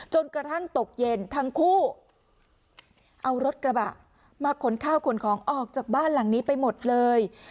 จนกระทั่งตกเย็นทั้งคู่เอารถกระบะมาขนข้าวขนของออกจากบ้านหลังนี้ไปหมดเลย